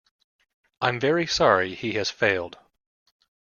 I’m very sorry he has failed.